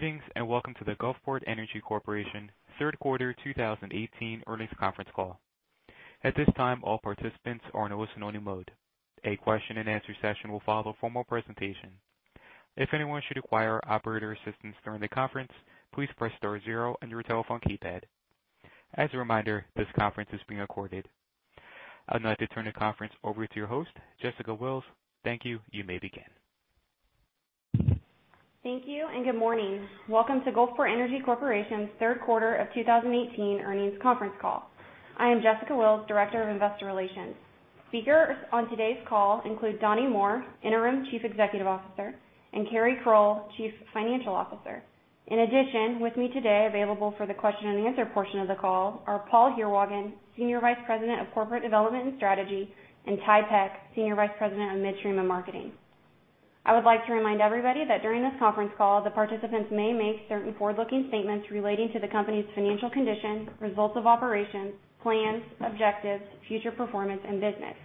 Greetings, welcome to the Gulfport Energy Corporation third quarter 2018 earnings conference call. At this time, all participants are in listen-only mode. A question and answer session will follow formal presentation. If anyone should require operator assistance during the conference, please press star zero on your telephone keypad. As a reminder, this conference is being recorded. I'd like to turn the conference over to your host, Jessica Antle. Thank you. You may begin. Thank you, good morning. Welcome to Gulfport Energy Corporation's third quarter of 2018 earnings conference call. I am Jessica Antle, Director of Investor Relations. Speakers on today's call include Donnie Moore, Interim Chief Executive Officer, and Keri Crow, Chief Financial Officer. In addition, with me today, available for the question and answer portion of the call, are Paul Heerwagen, Senior Vice President of Corporate Development and Strategy, and Ty Peck, Senior Vice President of Midstream and Marketing. I would like to remind everybody that during this conference call, the participants may make certain forward-looking statements relating to the company's financial condition, results of operations, plans, objectives, future performance, and business.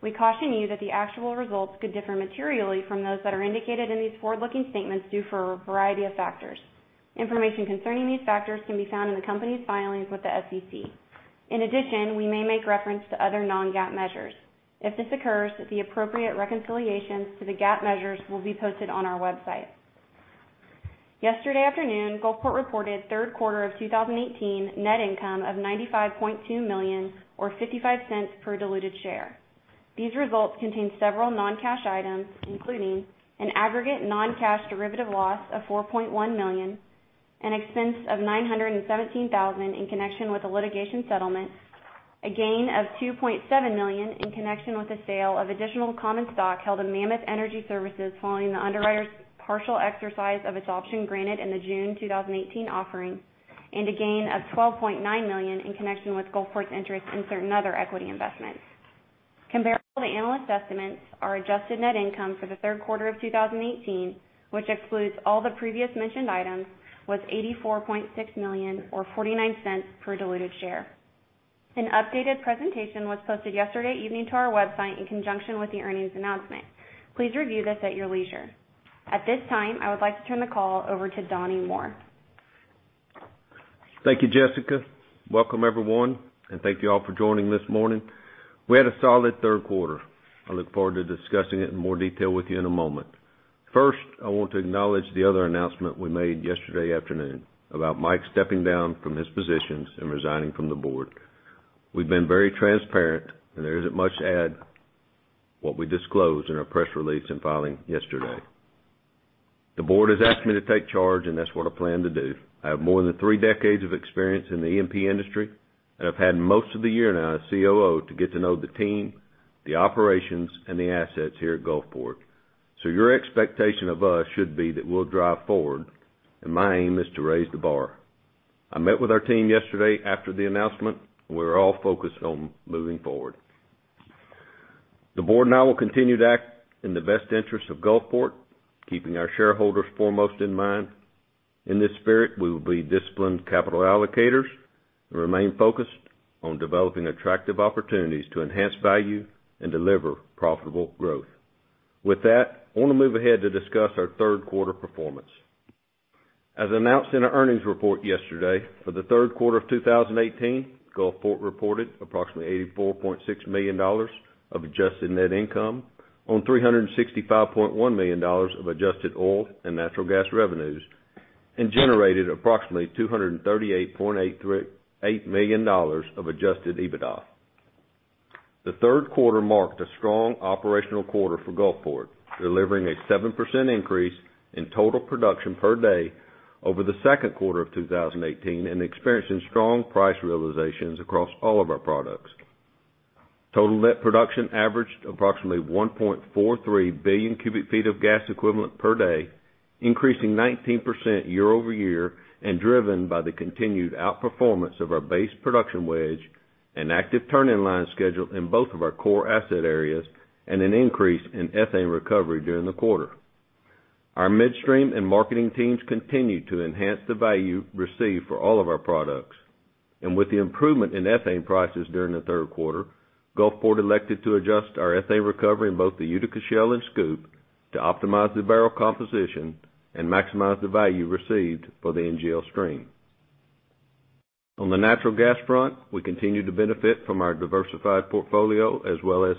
We caution you that the actual results could differ materially from those that are indicated in these forward-looking statements due for a variety of factors. Information concerning these factors can be found in the company's filings with the SEC. In addition, we may make reference to other non-GAAP measures. If this occurs, the appropriate reconciliations to the GAAP measures will be posted on our website. Yesterday afternoon, Gulfport reported third quarter of 2018 net income of $95.2 million or $0.55 per diluted share. These results contain several non-cash items, including an aggregate non-cash derivative loss of $4.1 million, an expense of $917,000 in connection with a litigation settlement, a gain of $2.7 million in connection with the sale of additional common stock held in Mammoth Energy Services following the underwriter's partial exercise of its option granted in the June 2018 offering, and a gain of $12.9 million in connection with Gulfport's interest in certain other equity investments. Comparable to analyst estimates, our adjusted net income for the third quarter of 2018, which excludes all the previous mentioned items, was $84.6 million or $0.49 per diluted share. An updated presentation was posted yesterday evening to our website in conjunction with the earnings announcement. Please review this at your leisure. At this time, I would like to turn the call over to Donnie Moore. Thank you, Jessica. Welcome, everyone, and thank you all for joining this morning. We had a solid third quarter. I look forward to discussing it in more detail with you in a moment. First, I want to acknowledge the other announcement we made yesterday afternoon about Mike stepping down from his positions and resigning from the board. We've been very transparent, and there isn't much to add what we disclosed in our press release and filing yesterday. The board has asked me to take charge, and that's what I plan to do. I have more than three decades of experience in the E&P industry, and I've had most of the year now as COO to get to know the team, the operations, and the assets here at Gulfport. Your expectation of us should be that we'll drive forward, and my aim is to raise the bar. I met with our team yesterday after the announcement. We're all focused on moving forward. The board and I will continue to act in the best interest of Gulfport, keeping our shareholders foremost in mind. In this spirit, we will be disciplined capital allocators and remain focused on developing attractive opportunities to enhance value and deliver profitable growth. With that, I want to move ahead to discuss our third quarter performance. As announced in our earnings report yesterday, for the third quarter of 2018, Gulfport reported approximately $84.6 million of adjusted net income on $365.1 million of adjusted oil and natural gas revenues and generated approximately $238.8 million of adjusted EBITDA. The third quarter marked a strong operational quarter for Gulfport, delivering a 7% increase in total production per day over the second quarter of 2018 and experiencing strong price realizations across all of our products. Total net production averaged approximately 1.43 billion cubic feet of gas equivalent per day, increasing 19% year-over-year and driven by the continued outperformance of our base production wedge and active turn-in-line schedule in both of our core asset areas, and an increase in ethane recovery during the quarter. Our midstream and marketing teams continue to enhance the value received for all of our products. With the improvement in ethane prices during the third quarter, Gulfport elected to adjust our ethane recovery in both the Utica Shale and SCOOP to optimize the barrel composition and maximize the value received for the NGL stream. On the natural gas front, we continue to benefit from our diversified portfolio as well as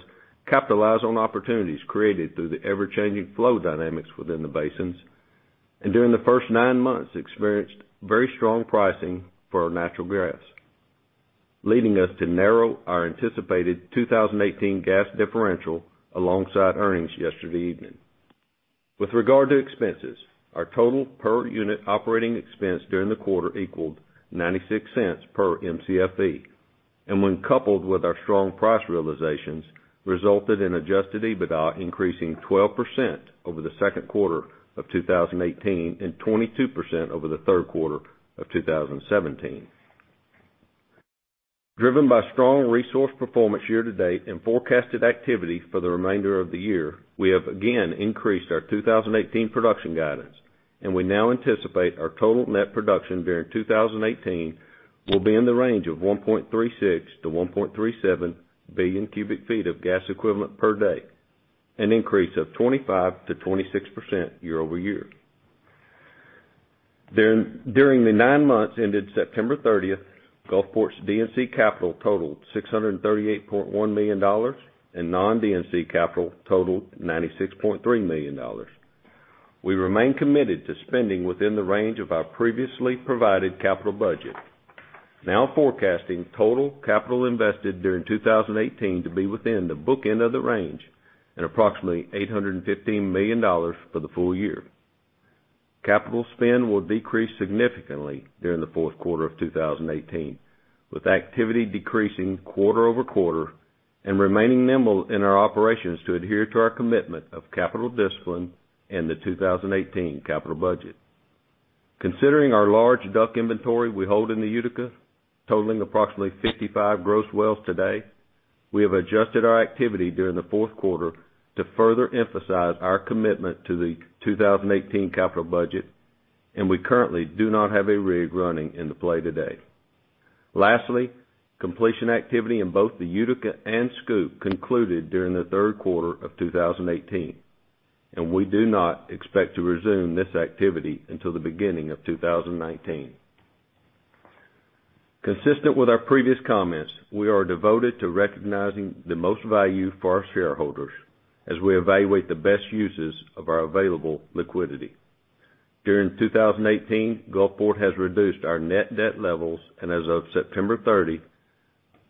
capitalize on opportunities created through the ever-changing flow dynamics within the basins, and during the first nine months, experienced very strong pricing for our natural gas, leading us to narrow our anticipated 2018 gas differential alongside earnings yesterday evening. With regard to expenses, our total per-unit operating expense during the quarter equaled $0.96 per Mcfe, and when coupled with our strong price realizations, resulted in adjusted EBITDA increasing 12% over the second quarter of 2018 and 22% over the third quarter of 2017. Driven by strong resource performance year to date and forecasted activity for the remainder of the year, we have again increased our 2018 production guidance. We now anticipate our total net production during 2018 will be in the range of 1.36 to 1.37 billion cubic feet of gas equivalent per day, an increase of 25%-26% year-over-year. During the nine months ended September 30, Gulfport's D&C capital totaled $638.1 million, and non-D&C capital totaled $96.3 million. We remain committed to spending within the range of our previously provided capital budget, now forecasting total capital invested during 2018 to be within the bookend of the range, and approximately $815 million for the full year. Capital spend will decrease significantly during the fourth quarter of 2018, with activity decreasing quarter-over-quarter and remaining nimble in our operations to adhere to our commitment of capital discipline in the 2018 capital budget. Considering our large DUC inventory we hold in the Utica, totaling approximately 55 gross wells today, we have adjusted our activity during the fourth quarter to further emphasize our commitment to the 2018 capital budget. We currently do not have a rig running in the play today. Lastly, completion activity in both the Utica and SCOOP concluded during the third quarter of 2018. We do not expect to resume this activity until the beginning of 2019. Consistent with our previous comments, we are devoted to recognizing the most value for our shareholders as we evaluate the best uses of our available liquidity. During 2018, Gulfport has reduced our net debt levels. As of September 30,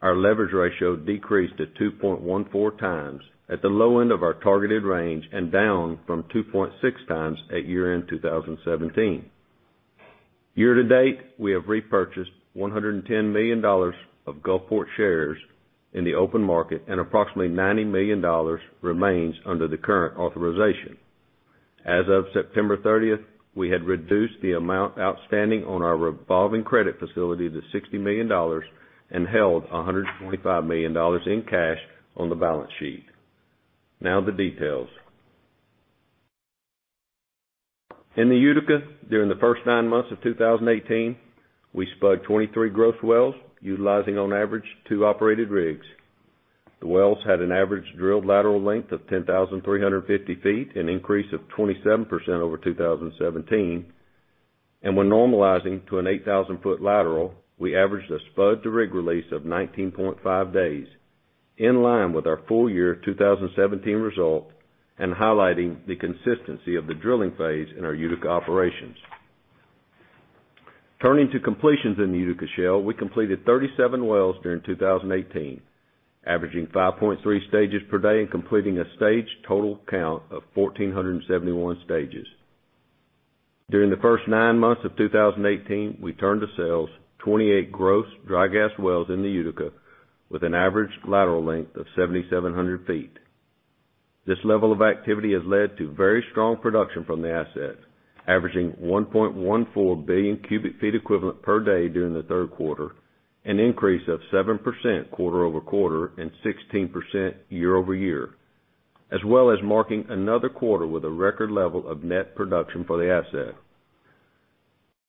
our leverage ratio decreased to 2.14 times, at the low end of our targeted range, and down from 2.6 times at year-end 2017. Year-to-date, we have repurchased $110 million of Gulfport shares in the open market. Approximately $90 million remains under the current authorization. As of September 30, we had reduced the amount outstanding on our revolving credit facility to $60 million and held $125 million in cash on the balance sheet. Now the details. In the Utica, during the first nine months of 2018, we spudded 23 gross wells, utilizing on average two operated rigs. The wells had an average drilled lateral length of 10,350 feet, an increase of 27% over 2017. When normalizing to an 8,000-foot lateral, we averaged a spud to rig release of 19.5 days, in line with our full year 2017 result and highlighting the consistency of the drilling phase in our Utica operations. Turning to completions in the Utica Shale, we completed 37 wells during 2018, averaging 5.3 stages per day and completing a staged total count of 1,471 stages. During the first nine months of 2018, we turned to sales 28 gross dry gas wells in the Utica with an average lateral length of 7,700 feet. This level of activity has led to very strong production from the asset, averaging 1.14 billion cubic feet equivalent per day during the third quarter, an increase of 7% quarter-over-quarter and 16% year-over-year, as well as marking another quarter with a record level of net production for the asset.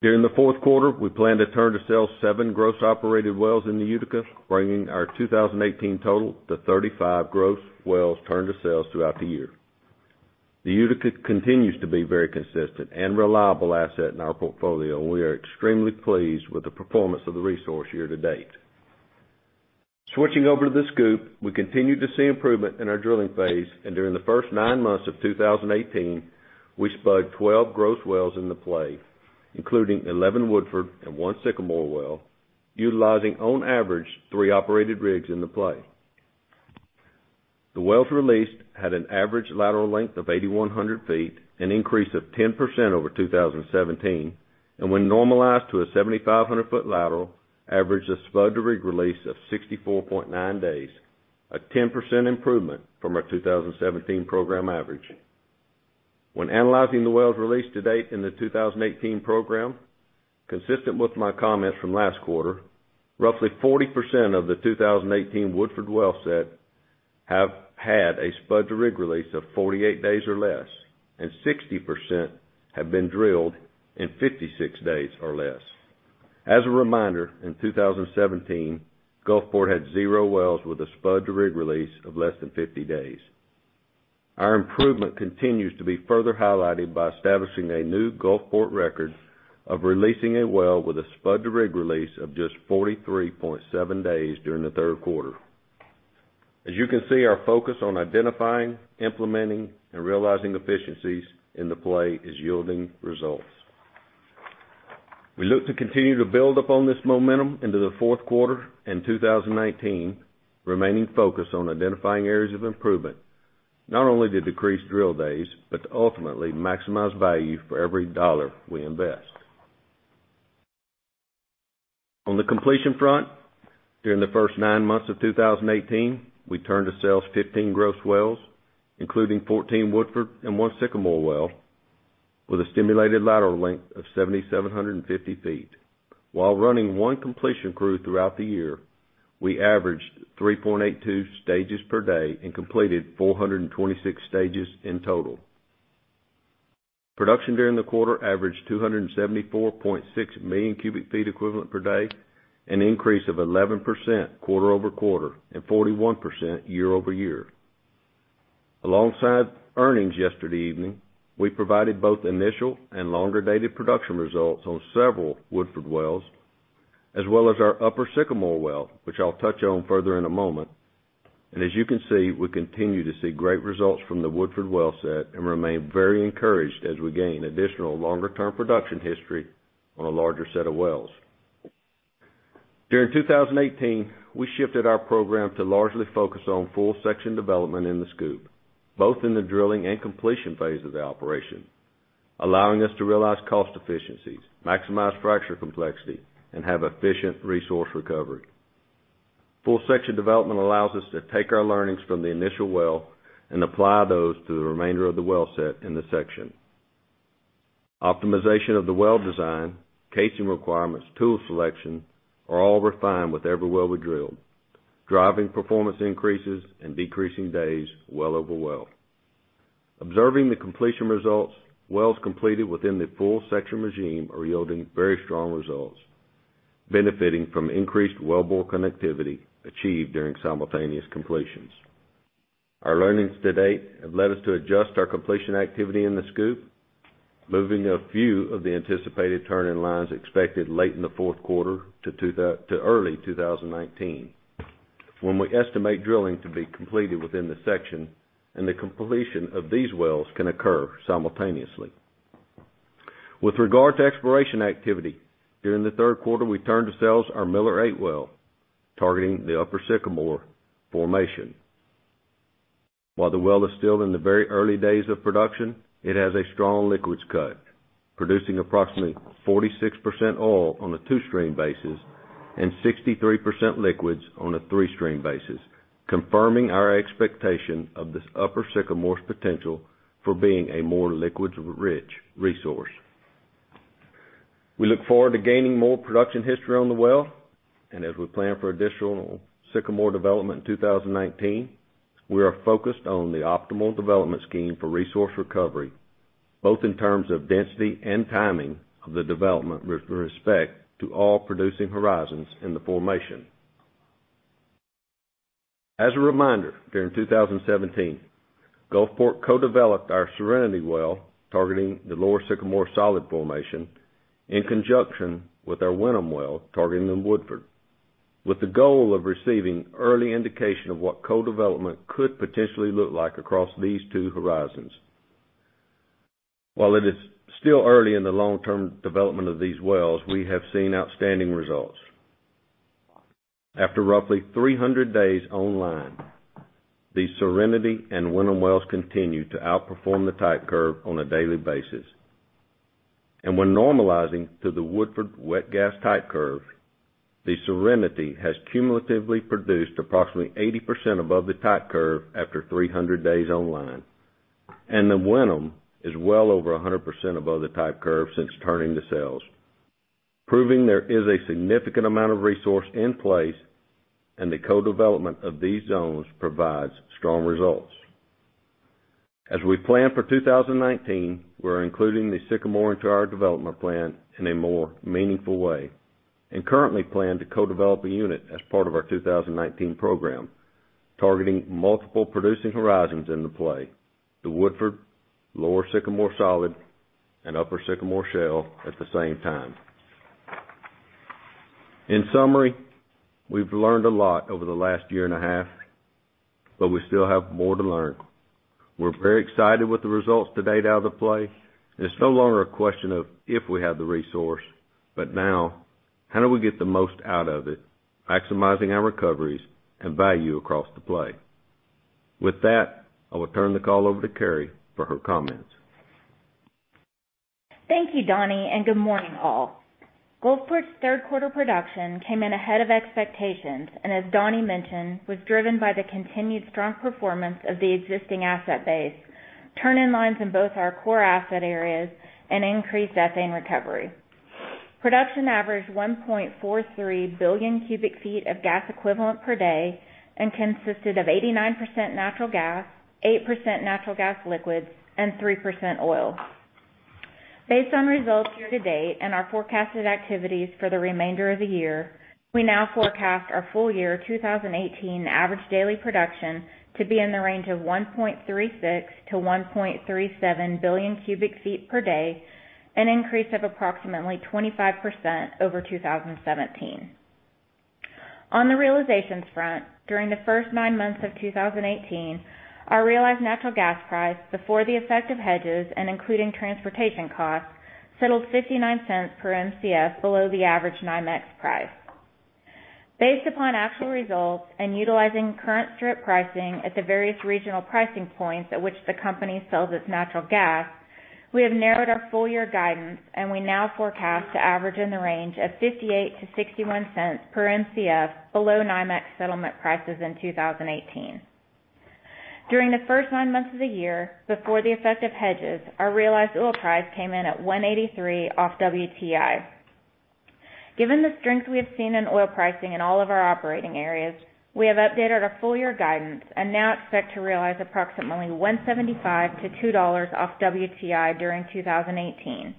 During the fourth quarter, we plan to turn to sales seven gross operated wells in the Utica, bringing our 2018 total to 35 gross wells turned to sales throughout the year. The Utica continues to be very consistent and reliable asset in our portfolio. We are extremely pleased with the performance of the resource year to date. Switching over to the SCOOP, we continued to see improvement in our drilling phase, and during the first nine months of 2018, we spudded 12 gross wells in the play, including 11 Woodford and one Sycamore well, utilizing on average three operated rigs in the play. The wells released had an average lateral length of 8,100 feet, an increase of 10% over 2017, and when normalized to a 7,500-foot lateral, averaged a spud to rig release of 64.9 days, a 10% improvement from our 2017 program average. When analyzing the wells released to date in the 2018 program, consistent with my comments from last quarter, roughly 40% of the 2018 Woodford well set have had a spud to rig release of 48 days or less, and 60% have been drilled in 56 days or less. As a reminder, in 2017, Gulfport had zero wells with a spud to rig release of less than 50 days. Our improvement continues to be further highlighted by establishing a new Gulfport record of releasing a well with a spud to rig release of just 43.7 days during the third quarter. As you can see, our focus on identifying, implementing, and realizing efficiencies in the play is yielding results. We look to continue to build upon this momentum into the fourth quarter in 2019, remaining focused on identifying areas of improvement, not only to decrease drill days, but to ultimately maximize value for every dollar we invest. On the completion front, during the first nine months of 2018, we turned to sales 15 gross wells, including 14 Woodford and one Sycamore well, with a stimulated lateral length of 7,750 feet. While running one completion crew throughout the year, we averaged 3.82 stages per day and completed 426 stages in total. Production during the quarter averaged 274.6 million cubic feet equivalent per day, an increase of 11% quarter-over-quarter and 41% year-over-year. Alongside earnings yesterday evening, we provided both initial and longer-dated production results on several Woodford wells, as well as our Upper Sycamore well, which I'll touch on further in a moment. As you can see, we continue to see great results from the Woodford well set and remain very encouraged as we gain additional longer-term production history on a larger set of wells. During 2018, we shifted our program to largely focus on full section development in the SCOOP, both in the drilling and completion phase of the operation, allowing us to realize cost efficiencies, maximize fracture complexity, and have efficient resource recovery. Full section development allows us to take our learnings from the initial well and apply those to the remainder of the well set in the section. Optimization of the well design, casing requirements, tool selection are all refined with every well we drill, driving performance increases and decreasing days well over well. Observing the completion results, wells completed within the full section regime are yielding very strong results, benefiting from increased wellbore connectivity achieved during simultaneous completions. Our learnings to date have led us to adjust our completion activity in the SCOOP, moving a few of the anticipated turn-in-lines expected late in the fourth quarter to early 2019, when we estimate drilling to be completed within the section and the completion of these wells can occur simultaneously. With regard to exploration activity, during the third quarter, we turned to sales our Miller 8H well, targeting the Upper Sycamore formation. While the well is still in the very early days of production, it has a strong liquids cut, producing approximately 46% oil on a two-stream basis and 63% liquids on a three-stream basis, confirming our expectation of this Upper Sycamore's potential for being a more liquids-rich resource. We look forward to gaining more production history on the well. As we plan for additional Sycamore development in 2019, we are focused on the optimal development scheme for resource recovery, both in terms of density and timing of the development with respect to all producing horizons in the formation. As a reminder, during 2017, Gulfport co-developed our Serenity well, targeting the Lower Sycamore Solid formation, in conjunction with our Wenon well, targeting the Woodford, with the goal of receiving early indication of what co-development could potentially look like across these two horizons. While it is still early in the long-term development of these wells, we have seen outstanding results. After roughly 300 days online, the Serenity and Wenon wells continue to outperform the type curve on a daily basis. When normalizing to the Woodford wet gas type curve, the Serenity has cumulatively produced approximately 80% above the type curve after 300 days online. The Wenon is well over 100% above the type curve since turning to sales, proving there is a significant amount of resource in place. The co-development of these zones provides strong results. As we plan for 2019, we're including the Sycamore into our development plan in a more meaningful way and currently plan to co-develop a unit as part of our 2019 program, targeting multiple producing horizons in the play, the Woodford, Lower Sycamore Solid, and Upper Sycamore Shale at the same time. In summary, we've learned a lot over the last year and a half, but we still have more to learn. We're very excited with the results to date out of the play. It's no longer a question of if we have the resource, now how do we get the most out of it, maximizing our recoveries and value across the play. With that, I will turn the call over to Keri for her comments. Thank you, Donnie. Good morning, all. Gulfport's third quarter production came in ahead of expectations, and as Donnie mentioned, was driven by the continued strong performance of the existing asset base, turn-in-lines in both our core asset areas, and increased ethane recovery. Production averaged 1.43 billion cubic feet of gas equivalent per day and consisted of 89% natural gas, 8% natural gas liquids, and 3% oil. Based on results year to date and our forecasted activities for the remainder of the year, we now forecast our full year 2018 average daily production to be in the range of 1.36 billion-1.37 billion cubic feet per day, an increase of approximately 25% over 2017. On the realizations front, during the first nine months of 2018, our realized natural gas price before the effect of hedges and including transportation costs settled $0.59 per Mcf below the average NYMEX price. Based upon actual results and utilizing current strip pricing at the various regional pricing points at which the company sells its natural gas, we have narrowed our full year guidance, and we now forecast to average in the range of $0.58-$0.61 per Mcf below NYMEX settlement prices in 2018. During the first nine months of the year, before the effective hedges, our realized oil price came in at $1.83 off WTI. Given the strength we have seen in oil pricing in all of our operating areas, we have updated our full year guidance and now expect to realize approximately $1.75-$2 off WTI during 2018.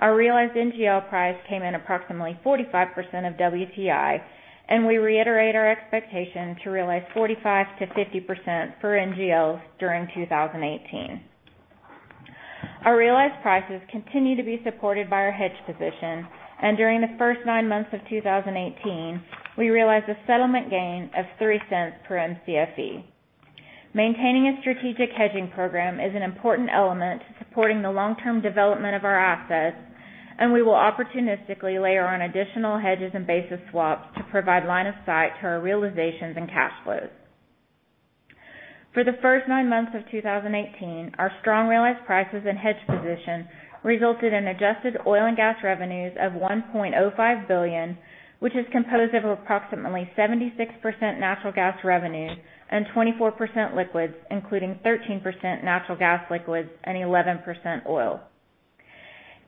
Our realized NGL price came in approximately 45% of WTI, and we reiterate our expectation to realize 45%-50% for NGLs during 2018. Our realized prices continue to be supported by our hedge position, and during the first nine months of 2018, we realized a settlement gain of $0.03 per Mcfe. Maintaining a strategic hedging program is an important element to supporting the long-term development of our assets, and we will opportunistically layer on additional hedges and basis swaps to provide line of sight to our realizations and cash flows. For the first nine months of 2018, our strong realized prices and hedge position resulted in adjusted oil and gas revenues of $1.05 billion, which is composed of approximately 76% natural gas revenue and 24% liquids, including 13% natural gas liquids and 11% oil.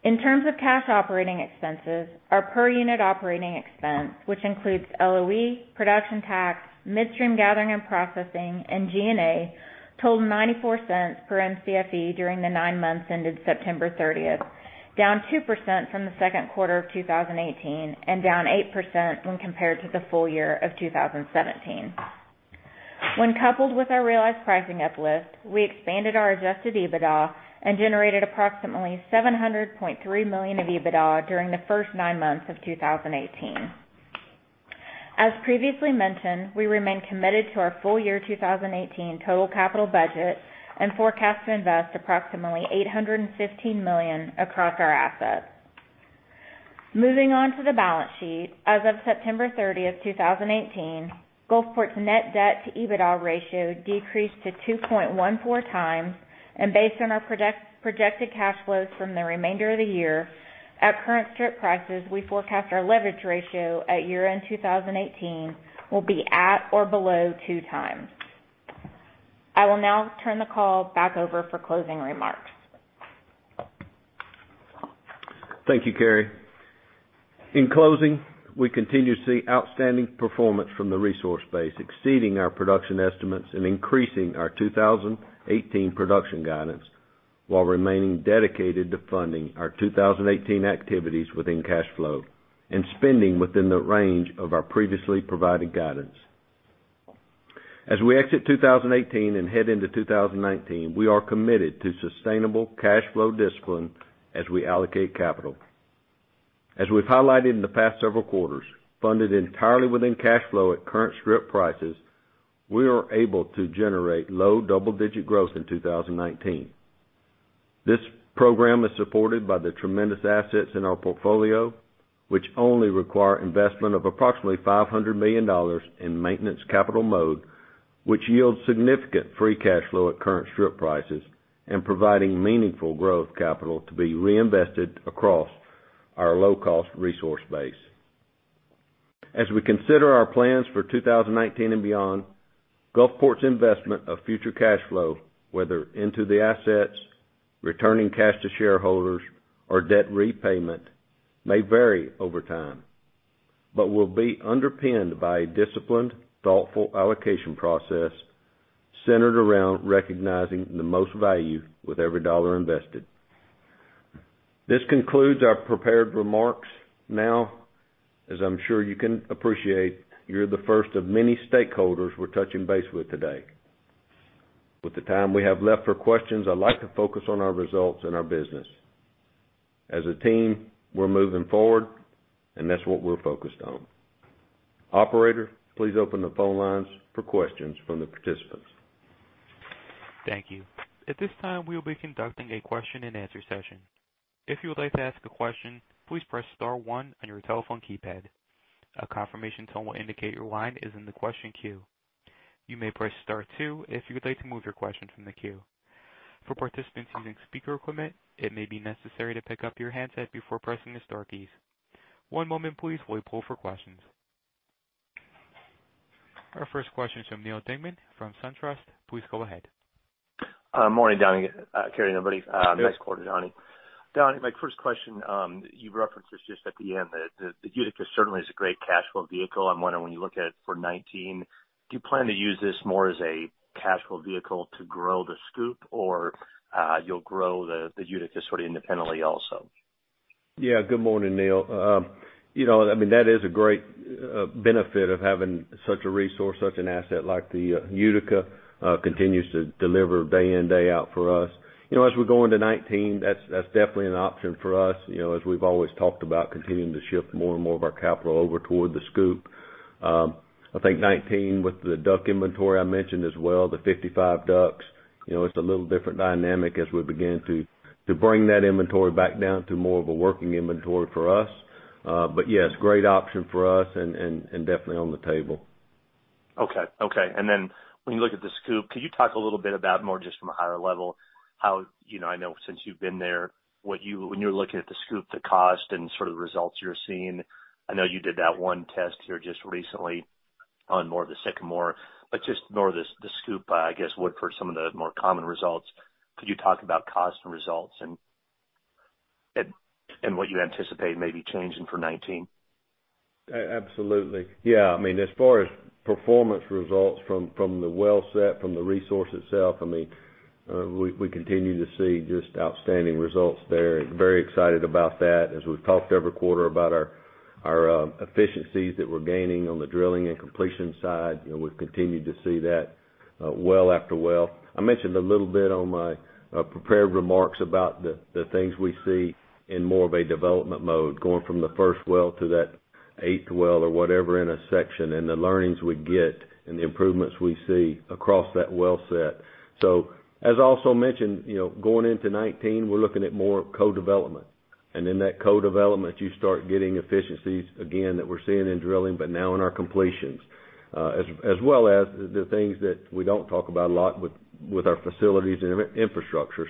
In terms of cash operating expenses, our per unit operating expense, which includes LOE, production tax, midstream gathering and processing, and G&A, totaled $0.94 per Mcfe during the nine months ended September 30th, down 2% from the second quarter of 2018 and down 8% when compared to the full year of 2017. When coupled with our realized pricing uplift, we expanded our adjusted EBITDA and generated approximately $700.3 million of EBITDA during the first nine months of 2018. As previously mentioned, we remain committed to our full year 2018 total capital budget and forecast to invest approximately $815 million across our assets. Moving on to the balance sheet. As of September 30th, 2018, Gulfport's net debt to EBITDA ratio decreased to 2.14 times. Based on our projected cash flows from the remainder of the year, at current strip prices, we forecast our leverage ratio at year-end 2018 will be at or below two times. I will now turn the call back over for closing remarks. Thank you, Keri. In closing, we continue to see outstanding performance from the resource base, exceeding our production estimates and increasing our 2018 production guidance while remaining dedicated to funding our 2018 activities within cash flow and spending within the range of our previously provided guidance. As we exit 2018 and head into 2019, we are committed to sustainable cash flow discipline as we allocate capital. As we've highlighted in the past several quarters, funded entirely within cash flow at current strip prices, we are able to generate low double-digit growth in 2019. This program is supported by the tremendous assets in our portfolio, which only require investment of approximately $500 million in maintenance capital mode, which yields significant free cash flow at current strip prices and providing meaningful growth capital to be reinvested across our low-cost resource base. As we consider our plans for 2019 and beyond, Gulfport's investment of future cash flow, whether into the assets, returning cash to shareholders, or debt repayment, may vary over time, but will be underpinned by a disciplined, thoughtful allocation process centered around recognizing the most value with every dollar invested. This concludes our prepared remarks. Now, as I'm sure you can appreciate, you're the first of many stakeholders we're touching base with today. With the time we have left for questions, I'd like to focus on our results and our business. As a team, we're moving forward, and that's what we're focused on. Operator, please open the phone lines for questions from the participants. Thank you. At this time, we will be conducting a question and answer session. If you would like to ask a question, please press star 1 on your telephone keypad. A confirmation tone will indicate your line is in the question queue. You may press star 2 if you would like to move your question from the queue. For participants using speaker equipment, it may be necessary to pick up your handset before pressing the star keys. One moment, please, while we poll for questions. Our first question is from Neal Dingmann from SunTrust. Please go ahead. Morning, Donnie, Keri. Nice quarter, Donnie. Yes. Donnie, my first question. You referenced this just at the end, that the Utica certainly is a great cash flow vehicle. I am wondering, when you look at it for 2019, do you plan to use this more as a cash flow vehicle to grow the SCOOP, or you will grow the Utica sort of independently also? Good morning, Neal. That is a great benefit of having such a resource, such an asset like the Utica. Continues to deliver day in, day out for us. As we go into 2019, that is definitely an option for us, as we have always talked about continuing to shift more and more of our capital over toward the SCOOP. I think 2019 with the DUC inventory I mentioned as well, the 55 DUCs, it is a little different dynamic as we begin to bring that inventory back down to more of a working inventory for us. Yes, great option for us and definitely on the table. When you look at the SCOOP, could you talk a little bit about more just from a higher level, how, I know since you have been there, when you are looking at the SCOOP, the cost and sort of results you are seeing? I know you did that one test here just recently on more of the Sycamore, but just more of the SCOOP, I guess Woodford for some of the more common results. Could you talk about cost and results and what you anticipate maybe changing for 2019. Absolutely. As far as performance results from the well set, from the resource itself, we continue to see just outstanding results there, and very excited about that. As we've talked every quarter about our efficiencies that we're gaining on the drilling and completion side, we've continued to see that well after well. I mentioned a little bit on my prepared remarks about the things we see in more of a development mode, going from the first well to that eighth well or whatever in a section, and the learnings we get and the improvements we see across that well set. I also mentioned, going into 2019, we're looking at more co-development. In that co-development, you start getting efficiencies, again, that we're seeing in drilling, but now in our completions. As well as the things that we don't talk about a lot with our facilities and infrastructure.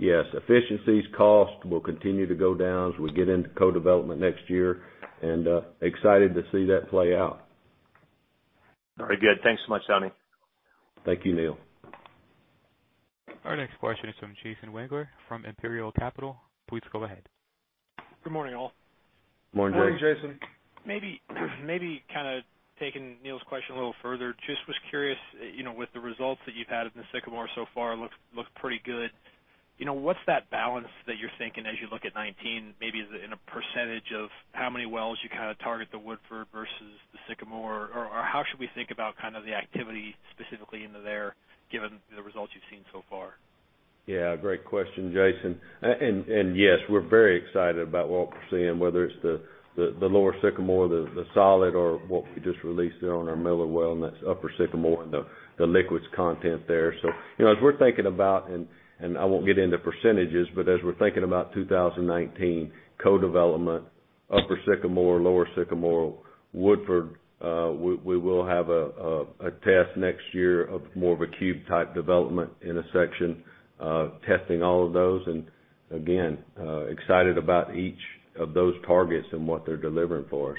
Yes, efficiencies, cost will continue to go down as we get into co-development next year, and excited to see that play out. Very good. Thanks so much, Donnie. Thank you, Neal. Our next question is from Jason Wangler from Imperial Capital. Please go ahead. Good morning, all. Morning, Jason. Morning, Jason. Maybe kind of taking Neal's question a little further. Just was curious, with the results that you've had in the Sycamore so far, looks pretty good. What's that balance that you're thinking as you look at 2019, maybe in a % of how many wells you target the Woodford versus the Sycamore, or how should we think about the activity specifically into there given the results you've seen so far? Yeah. Great question, Jason. Yes, we're very excited about what we're seeing, whether it's the Lower Sycamore, the solid, or what we just released there on our Miller well, and that's Upper Sycamore and the liquids content there. As we're thinking about, and I won't get into %, but as we're thinking about 2019 co-development, Upper Sycamore, Lower Sycamore, Woodford, we will have a test next year of more of a cube type development in a section, testing all of those. Again, excited about each of those targets and what they're delivering for us.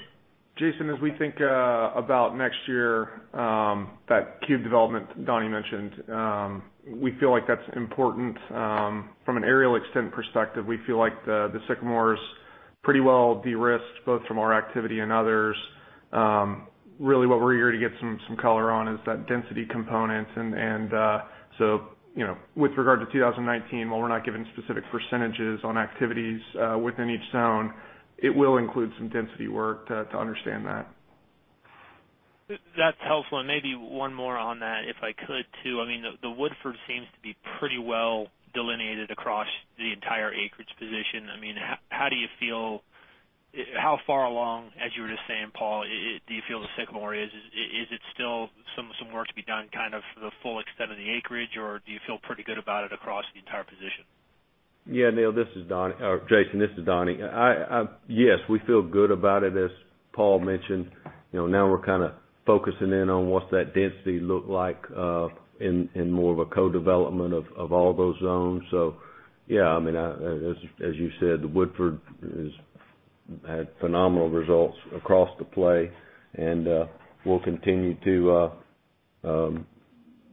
Jason, as we think about next year, that cube development Donnie mentioned, we feel like that's important. From an aerial extent perspective, we feel like the Sycamore's pretty well de-risked, both from our activity and others. Really what we're here to get some color on is that density component. With regard to 2019, while we're not giving specific % on activities within each zone, it will include some density work to understand that. That's helpful. Maybe one more on that, if I could too. The Woodford seems to be pretty well delineated across the entire acreage position. How far along, as you were just saying, Paul, do you feel the Sycamore is? Is it still some work to be done for the full extent of the acreage, or do you feel pretty good about it across the entire position? Jason, this is Donnie. Yes, we feel good about it, as Paul mentioned. We're focusing in on what's that density look like in more of a co-development of all those zones. Yeah. As you said, the Woodford has had phenomenal results across the play, we'll continue to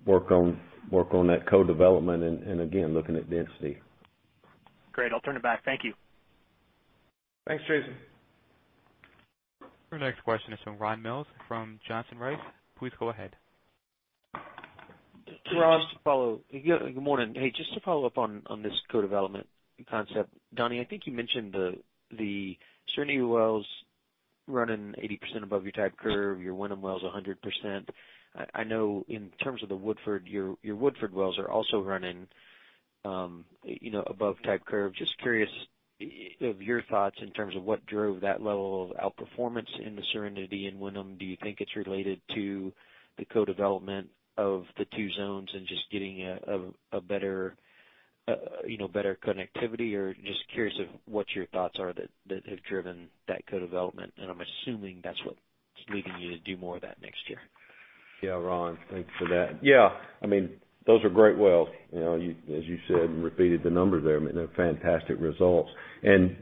work on that co-development and again, looking at density. Great. I'll turn it back. Thank you. Thanks, Jason. Our next question is from Ron Mills from Johnson Rice. Please go ahead. Ron. Good morning. Hey, just to follow up on this co-development concept. Donnie, I think you mentioned the Serenity wells running 80% above your type curve, your Wenon wells 100%. I know in terms of the Woodford, your Woodford wells are also running above type curve. Just curious of your thoughts in terms of what drove that level of outperformance in the Serenity and Wenon. Do you think it's related to the co-development of the two zones and just getting a better connectivity, or just curious of what your thoughts are that have driven that co-development. I'm assuming that's what's leading you to do more of that next year. Yeah, Ron. Thanks for that. Yeah. Those are great wells. As you said, repeated the numbers there, they're fantastic results.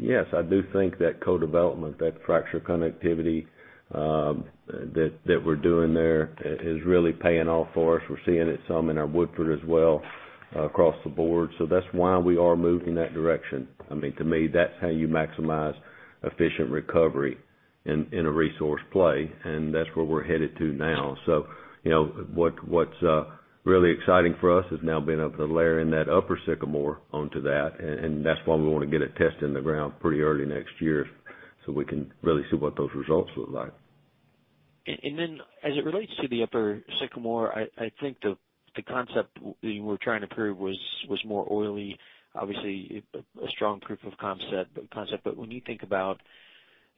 Yes, I do think that co-development, that fracture connectivity that we're doing there is really paying off for us. We're seeing it some in our Woodford as well across the board. That's why we are moving that direction. To me, that's how you maximize efficient recovery in a resource play, that's where we're headed to now. What's really exciting for us is now being able to layer in that Upper Sycamore onto that's why we want to get a test in the ground pretty early next year so we can really see what those results look like. Then as it relates to the Upper Sycamore, I think the concept we were trying to prove was more oily. Obviously, a strong proof of concept. When you think about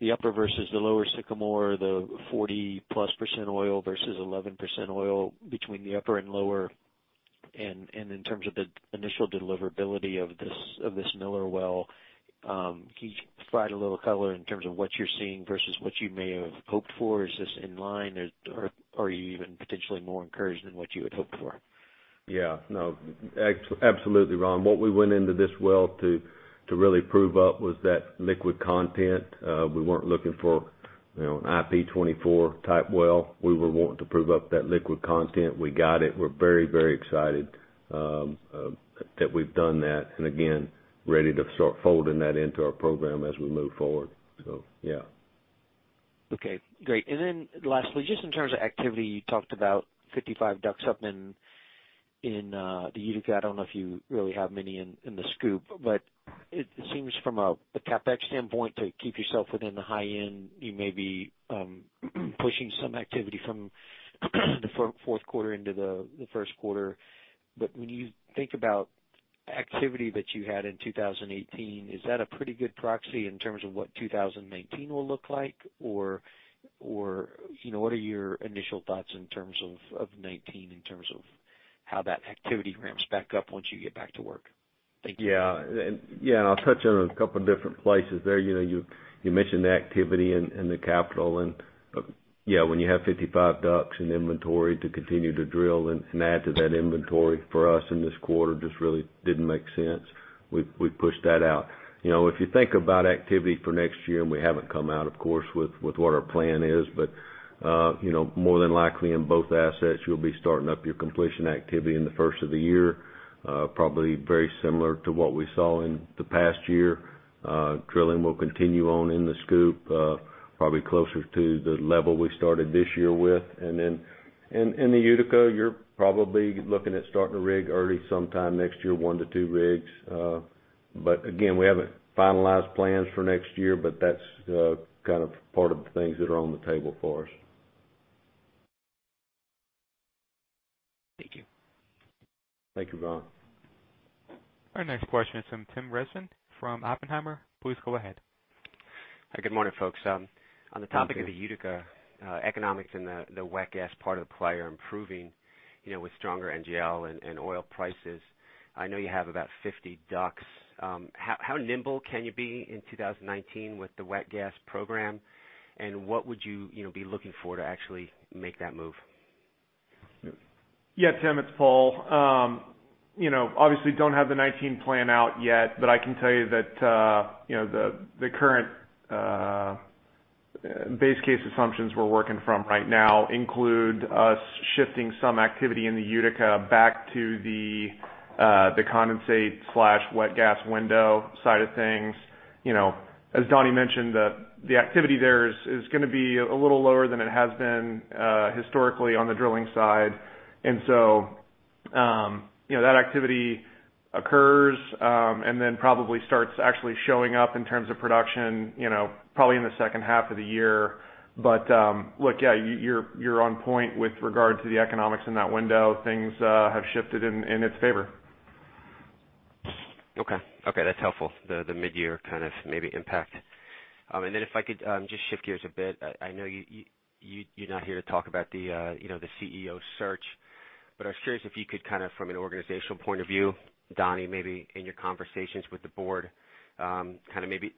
the upper versus the lower Sycamore, the 40-plus % oil versus 11% oil between the upper and lower, in terms of the initial deliverability of this Miller well, can you provide a little color in terms of what you're seeing versus what you may have hoped for? Is this in line, or are you even potentially more encouraged than what you had hoped for? Yeah. No. Absolutely, Ron. What we went into this well to really prove up was that liquid content. We weren't looking for an IP 24 type well. We were wanting to prove up that liquid content. We got it. We're very excited that we've done that. Again, ready to start folding that into our program as we move forward. Yeah. Okay, great. Lastly, just in terms of activity, you talked about 55 DUCs up in the Utica. I don't know if you really have many in the SCOOP, but it seems from a CapEx standpoint to keep yourself within the high end, you may be pushing some activity from the fourth quarter into the first quarter. When you think about activity that you had in 2018, is that a pretty good proxy in terms of what 2019 will look like? What are your initial thoughts in terms of 2019, in terms of how that activity ramps back up once you get back to work? Thank you. Yeah. I'll touch on it in a couple of different places there. You mentioned the activity and the capital and, yeah, when you have 55 DUCs in inventory to continue to drill and add to that inventory for us in this quarter just really didn't make sense. We pushed that out. If you think about activity for next year, we haven't come out, of course, with what our plan is, but more than likely in both assets, you'll be starting up your completion activity in the first of the year. Probably very similar to what we saw in the past year. Drilling will continue on in the SCOOP probably closer to the level we started this year with. In the Utica, you're probably looking at starting a rig early sometime next year, one to two rigs. Again, we haven't finalized plans for next year, but that's part of the things that are on the table for us. Thank you. Thank you, Ron. Our next question is from Tim Rezvan from Oppenheimer. Please go ahead. Good morning, folks. Good morning. On the topic of the Utica economics and the wet gas part of the play are improving with stronger NGL and oil prices. I know you have about 50 DUCs. How nimble can you be in 2019 with the wet gas program, and what would you be looking for to actually make that move? Yeah, Tim, it's Paul. Obviously don't have the 2019 plan out yet, but I can tell you that the current base case assumptions we're working from right now include us shifting some activity in the Utica back to the condensate/wet gas window side of things. As Donnie mentioned, the activity there is going to be a little lower than it has been historically on the drilling side. That activity occurs, then probably starts actually showing up in terms of production probably in the second half of the year. Look, yeah, you're on point with regard to the economics in that window. Things have shifted in its favor. Okay. That's helpful. The mid-year maybe impact. Then if I could just shift gears a bit. I know you're not here to talk about the CEO search, but I was curious if you could from an organizational point of view, Donnie, maybe in your conversations with the board, maybe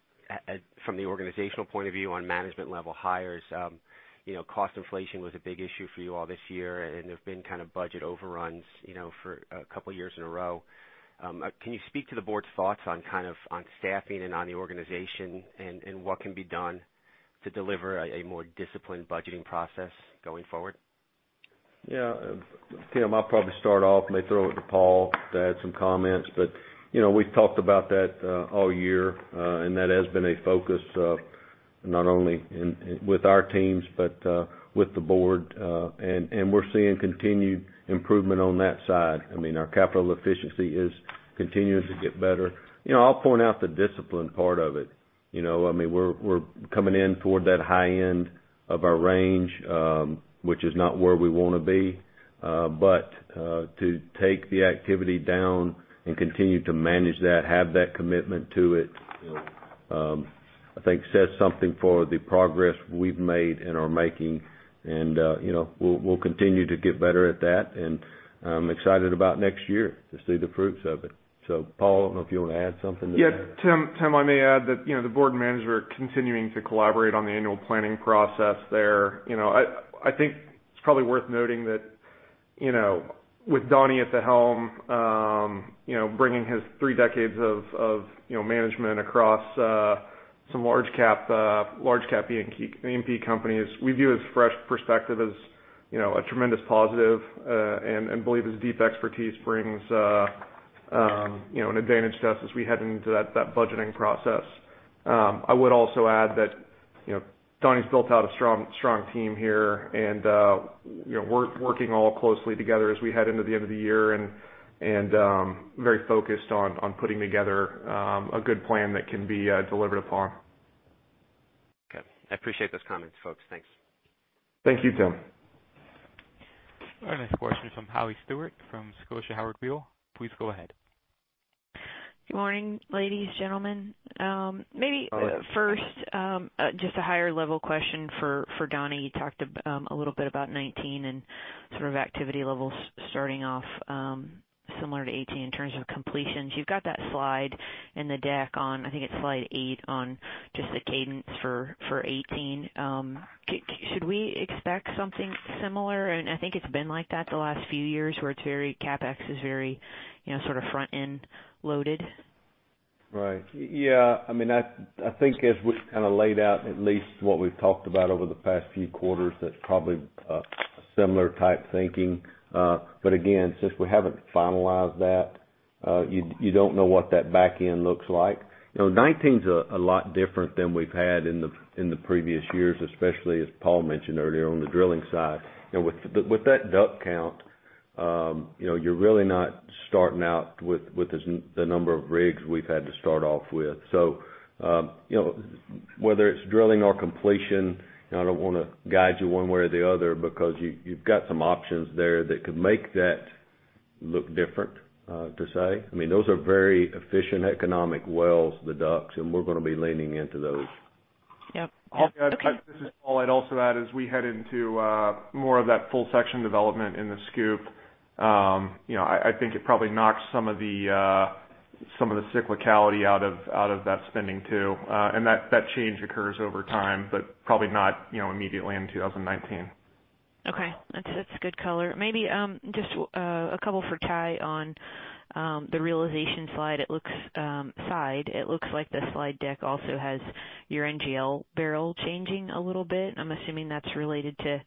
from the organizational point of view on management level hires. Cost inflation was a big issue for you all this year. There's been budget overruns for a couple of years in a row. Can you speak to the board's thoughts on staffing and on the organization and what can be done to deliver a more disciplined budgeting process going forward? Yeah. Tim, I'll probably start off, may throw it to Paul to add some comments. We've talked about that all year. That has been a focus, not only with our teams, but with the board. We're seeing continued improvement on that side. Our capital efficiency is continuing to get better. I'll point out the discipline part of it. We're coming in toward that high end of our range, which is not where we want to be. To take the activity down and continue to manage that, have that commitment to it, I think says something for the progress we've made and are making. We'll continue to get better at that, and I'm excited about next year to see the fruits of it. Paul, I don't know if you want to add something to that? Yeah. Tim, I may add that the board and management are continuing to collaborate on the annual planning process there. I think it's probably worth noting that with Donnie at the helm, bringing his three decades of management across some large cap E&P companies, we view his fresh perspective as a tremendous positive, and believe his deep expertise brings an advantage to us as we head into that budgeting process. I would also add that Donnie's built out a strong team here and working all closely together as we head into the end of the year and very focused on putting together a good plan that can be delivered upon. Okay. I appreciate those comments, folks. Thanks. Thank you, Tim. Our next question is from Holly Stewart from Scotia Howard Weil. Please go ahead. Good morning, ladies, gentlemen. Maybe first, just a higher-level question for Donnie. You talked a little bit about 2019 and sort of activity levels starting off similar to 2018 in terms of completions. You've got that slide in the deck on, I think it's slide eight, on just the cadence for 2018. Should we expect something similar? I think it's been like that the last few years where it's very CapEx is very sort of front-end loaded. Right. Yeah. I think as we've kind of laid out at least what we've talked about over the past few quarters, that's probably a similar type thinking. Again, since we haven't finalized that, you don't know what that back end looks like? 2019's a lot different than we've had in the previous years, especially, as Paul mentioned earlier, on the drilling side. With that DUC count, you're really not starting out with the number of rigs we've had to start off with. Whether it's drilling or completion, I don't want to guide you one way or the other because you've got some options there that could make that look different, to say. Those are very efficient economic wells, the DUCs, and we're going to be leaning into those. Yep. Okay. This is Paul. I'd also add, as we head into more of that full section development in the SCOOP, I think it probably knocks some of the cyclicality out of that spending too. That change occurs over time, but probably not immediately in 2019. Okay. That's a good color. Maybe just a couple for Ty on the realization slide. It looks like the slide deck also has your NGL barrel changing a little bit. I'm assuming that's related to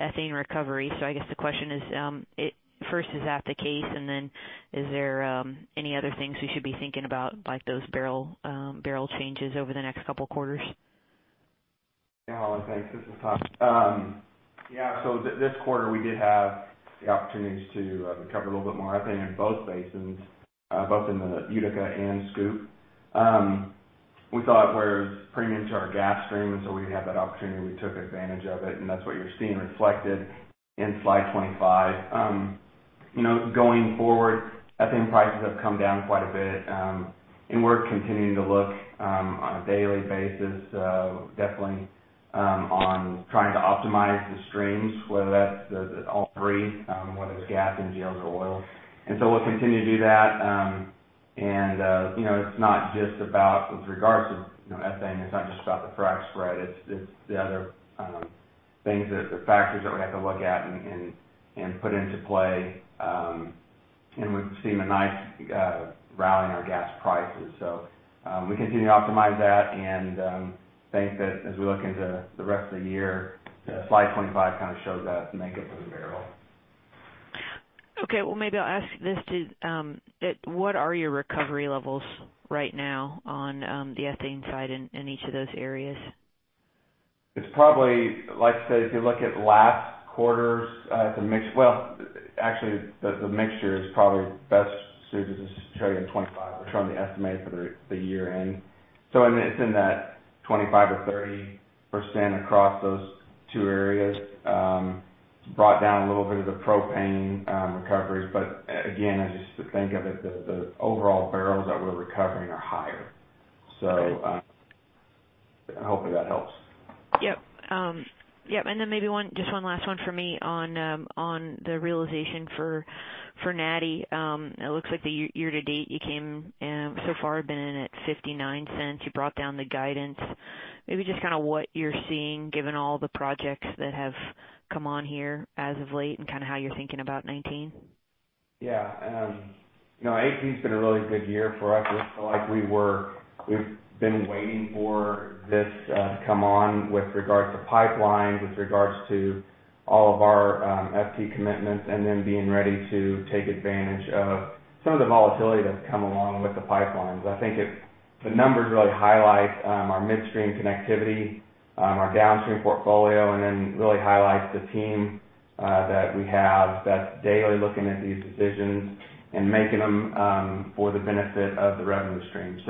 ethane recovery. I guess the question is, first, is that the case? Is there any other things we should be thinking about, like those barrel changes over the next couple of quarters? Yeah, Holly. Thanks. This is Ty. Yeah. This quarter, we did have the opportunities to recover a little bit more ethane in both basins, both in the Utica and SCOOP. We thought it was premium to our gas stream, we had that opportunity. We took advantage of it, that's what you're seeing reflected in slide 25. Going forward, ethane prices have come down quite a bit, we're continuing to look on a daily basis, definitely on trying to optimize the streams, whether that's all three, whether it's gas, NGLs or oil. We'll continue to do that. With regards to ethane, it's not just about the frac spread, it's the other things that the factors that we have to look at and put into play. We've seen a nice rally in our gas prices. We continue to optimize that and think that as we look into the rest of the year, slide 25 kind of shows that makeup of the barrel. Okay. Well, maybe I'll ask this too. What are your recovery levels right now on the ethane side in each of those areas? It's probably, like I said, if you look at last quarter's. Actually, the mixture is probably best suited to show you in 2025. We're showing the estimate for the year-end. It's in that 25%-30% across those two areas. Brought down a little bit of the propane recoveries. Again, just to think of it, the overall barrels that we're recovering are higher. Hopefully that helps. Yep. Then maybe just one last one from me on the realization for nat gas. It looks like the year-to-date you came, so far, been in at $0.59. You brought down the guidance. Maybe just what you're seeing given all the projects that have come on here as of late and how you're thinking about 2019. Yeah. 2018's been a really good year for us. It's like we've been waiting for this to come on with regards to pipelines, with regards to all of our FT commitments, and then being ready to take advantage of some of the volatility that's come along with the pipelines. I think the numbers really highlight our midstream connectivity, our downstream portfolio, and then really highlights the team that we have that's daily looking at these decisions and making them for the benefit of the revenue stream.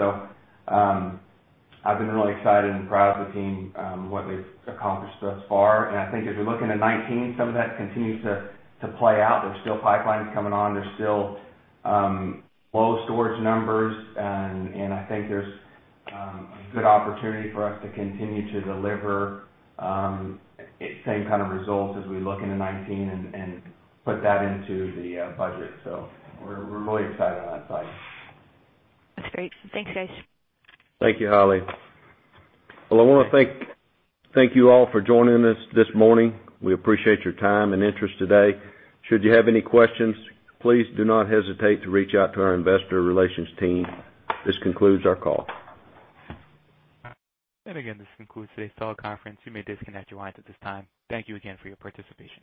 I've been really excited and proud of the team, what they've accomplished thus far. I think as we look into 2019, some of that continues to play out. There's still pipelines coming on. There's still low storage numbers. I think there's a good opportunity for us to continue to deliver same kind of results as we look into 2019 and put that into the budget. We're really excited on that side. That's great. Thanks, guys. Thank you, Holly. Well, I want to thank you all for joining us this morning. We appreciate your time and interest today. Should you have any questions, please do not hesitate to reach out to our investor relations team. This concludes our call. Again, this concludes today's call conference. You may disconnect your lines at this time. Thank you again for your participation.